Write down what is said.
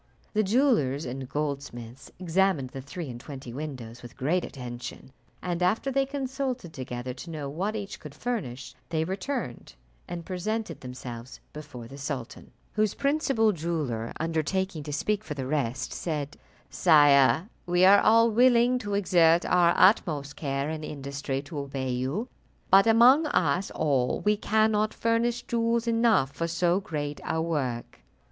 The jewellers and goldsmiths examined the three and twenty windows with great attention, and after they had consulted together, to know what each could furnish, they returned, and presented themselves before the sultan, whose principal jeweller undertaking to speak for the rest, said, "Sire, we are all willing to exert our utmost care and industry to obey you; but among us all we cannot furnish jewels enough for so great a work."